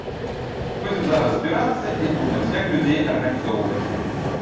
Будзем зараз збірацца і думаць, як людзей арганізоўваць.